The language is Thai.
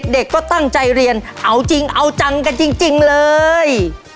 เด็กก็ตั้งใจเรียนเอาจริงเอาจังกันจริงเลย